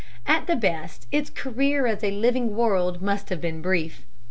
At the best, its career as a living world must have been brief.